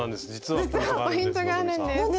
実はポイントがあるんです希さん。